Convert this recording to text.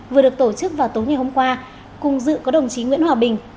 vừa được tổ chức vào tối ngày hôm qua cùng dự có đồng chí nguyễn hòa bình